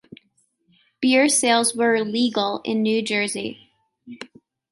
Beer sales were legal in New Jersey.